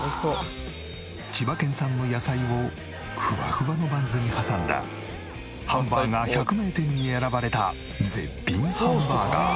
千葉県産の野菜をフワフワのバンズに挟んだハンバーガー百名店に選ばれた絶品ハンバーガー。